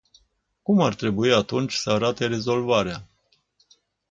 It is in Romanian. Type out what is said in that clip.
Cum ar trebui, atunci, să arate rezolvarea?